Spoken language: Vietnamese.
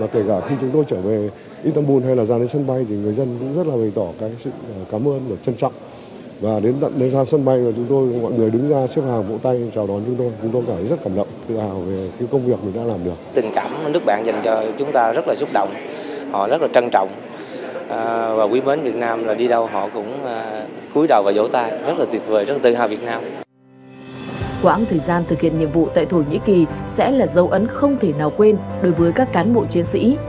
quảng thời gian thực hiện nhiệm vụ tại thổ nhĩ kỳ sẽ là dấu ấn không thể nào quên đối với các cán bộ chiến sĩ